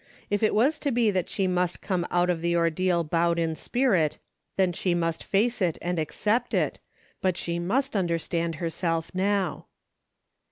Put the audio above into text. If it was to be that she must come out of the ordeal bowed in spirit, then she must face it and accept it, but she must understand herself now.